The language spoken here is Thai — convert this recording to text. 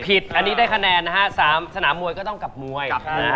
อันนี้ได้คะแนนนะฮะ๓สนามมวยก็ต้องกับมวย